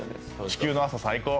地球の朝、最高。